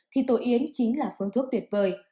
thì tổ yến chính là phương thuốc tuyệt vời